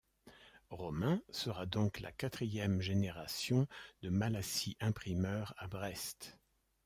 Romain sera donc la quatrième génération de Malassis imprimeur à Brest.